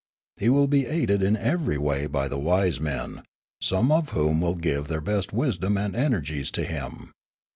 He will be aided in every way by the wise men, io Limanora some of whom will give their best wisdom and energies to him.